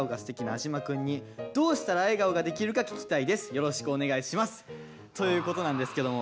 「よろしくお願いします」ということなんですけども